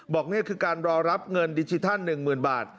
นี่คือการรอรับเงินดิจิทัล๑๐๐๐บาท